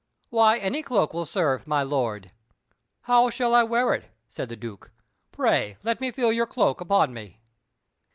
"Why, any cloak will serve, my lord." "How shall I wear it?" said the Duke. "Pray let me feel your cloak upon me."